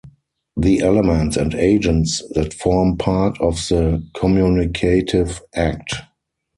The elements and agents that form part of the communicative act.